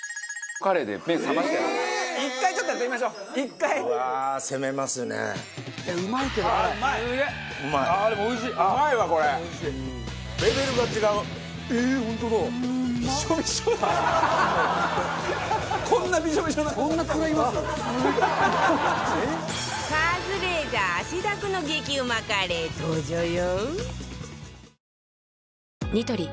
カズレーザー汗だくの激うまカレー登場よ